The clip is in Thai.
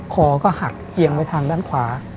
คอก็หักเอียงไปทางด้านขวา